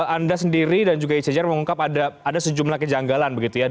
anda sendiri dan juga icjr mengungkap ada sejumlah kejanggalan